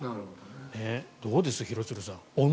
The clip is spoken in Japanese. どうです、廣津留さん